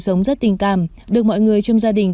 sống rất tình cảm được mọi người trong gia đình